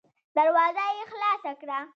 دروازه يې خلاصه کړه.